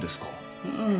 うん。